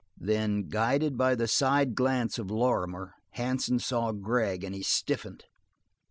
Then, guided by the side glance of Lorrimer, Hansen saw Gregg, and he stiffened.